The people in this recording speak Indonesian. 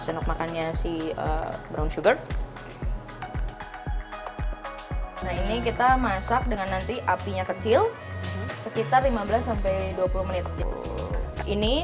sendok makannya si brown sugar nah ini kita masak dengan nanti apinya kecil sekitar lima belas sampai dua puluh menit ini